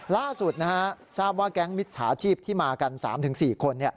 ล่าสุดทราบว่าแก๊งมิจฉาชีพที่มากัน๓๔คน